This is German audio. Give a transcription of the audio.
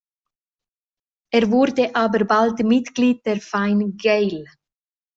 Er wurde aber bald Mitglied der Fine Gael.